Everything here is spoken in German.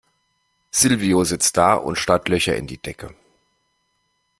Silvio sitzt da und starrt Löcher in die Decke.